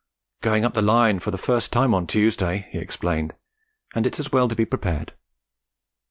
'Going up the Line for the first time on Tuesday,' he explained, 'and it's as well to be prepared.'